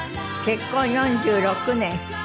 結婚４６年。